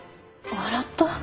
笑った？